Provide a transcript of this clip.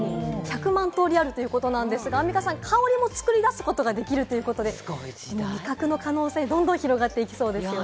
１００万通りあるということですが、アンミカさん、香りも作り出すことができるということで、味覚の可能性、どんどん広がっていきそうですね。